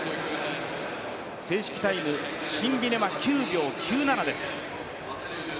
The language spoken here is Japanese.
正式タイム、シンビネは９秒９７です。